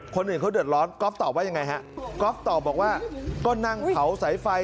คนอื่นเขาเดือดร้อนก๊อฟตอบว่ายังไงฮะก๊อฟตอบบอกว่าก็นั่งเผาสายไฟ